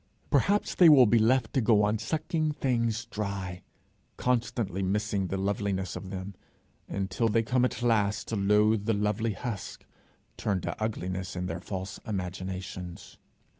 Perhaps they will be left to go on sucking things dry, constantly missing the loveliness of them, until they come at last to loathe the lovely husks, turned to ugliness in their false imaginations.